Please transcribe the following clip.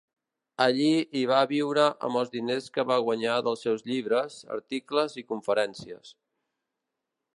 Allí hi va viure amb els diners que va guanyar dels seus llibres, articles i conferències.